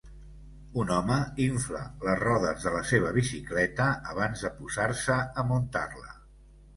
Un home infla les rodes de la seva bicicleta abans de posar-se a muntar-la.